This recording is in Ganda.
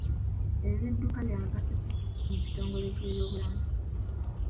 Ebidduka bya mugaso ki mu kitongole ky'ebyobulamu?